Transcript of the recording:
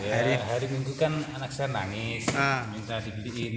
hari minggu kan anak saya nangis minta dibeliin